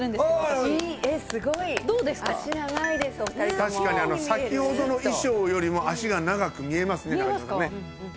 確かに先ほどの衣装よりも脚が長く見えますね中島さん。